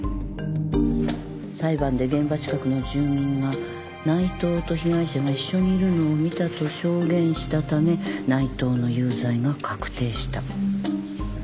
「裁判で現場近くの住民が内藤と被害者が一緒にいるのを見たと証言したため内藤の有罪が確定した」